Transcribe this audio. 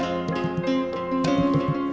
aduh aduh aduh